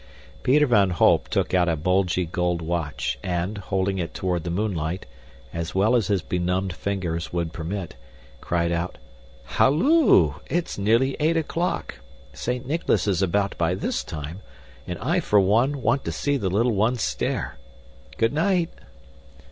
Peter van Holp took out a bulgy gold watch and, holding it toward the moonlight as well as his benumbed fingers would permit, called out, "Halloo! It's nearly eight o'clock! Saint Nicholas is about by this time, and I, for one, want to see the little ones stare. Good night!"